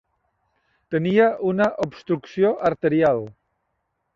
Tenia una obstrucció arterial.